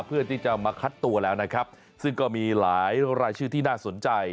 เพื่อที่จะมาคัดตัวแล้วนะครับซึ่งก็มีหลายรายชื่อที่น่าสนใจ